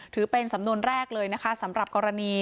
ถือเป็นสำนวนแรกเลยนะคะสำหรับกรณี